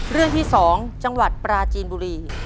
เรื่องที่๒จังหวัดปราจีนบุรี